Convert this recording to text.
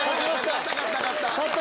勝った勝った勝った。